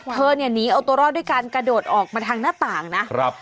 เธอเนี่ยหนีเอาตัวรอดด้วยการกระโดดออกมาทางหน้าต่างนะครับ